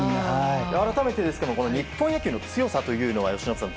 改めて日本野球の強さというのは由伸さん